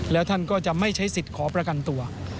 แล้วท่านก็จะไม่ใช้สิทธิ์ขอประกันตัว